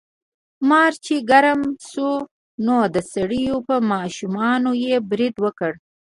مار چې ګرم شو نو د سړي په ماشومانو یې برید وکړ.